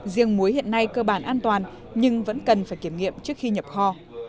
riêng muối hiện nay cơ bản an toàn nhưng vẫn cần phải kiểm nghiệm trước khi nhập kho